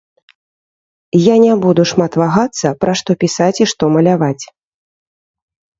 Я не буду шмат вагацца, пра што пісаць і што маляваць.